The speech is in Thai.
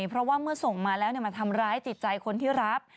เพราะว่าเมื่อส่งมาแล้วมาทำร้ายจิตใจคนที่รับ